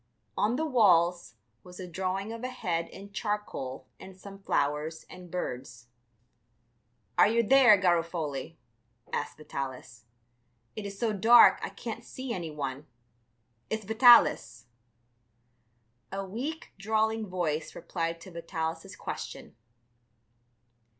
On the walls was a drawing of a head in charcoal and some flowers and birds. "Are you there, Garofoli?" asked Vitalis; "it is so dark I can't see any one. It's Vitalis." A weak, drawling voice replied to Vitalis' question.